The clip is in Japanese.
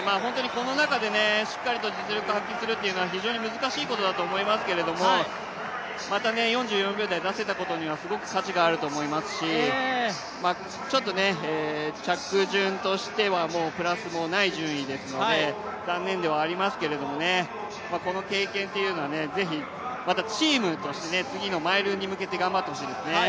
この中でしっかり実力を発揮するのは非常に難しいことだと思いますけれども、また４４秒台出せたことはすごく価値があると思いますし、ちょっと着順としてはプラスもない順位ですので残念ではありますけど、この経験っていうのはぜひまたチームとして次のマイルに向けて頑張ってもらいたいですね。